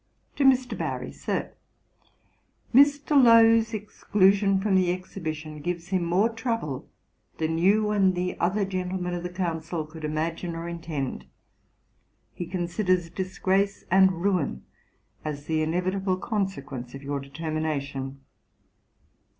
To MR. BARRY. SIR, Mr. Lowe's exclusion from the exhibition gives him more trouble than you and the other gentlemen of the Council could imagine or intend. He considers disgrace and ruin as the inevitable consequence of your determination.